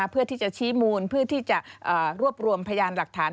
เพื่อที่จะชี้มูลเพื่อที่จะรวบรวมพยานหลักฐาน